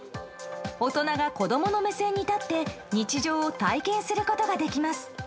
大人が子供の目線に立って日常を体験することができます。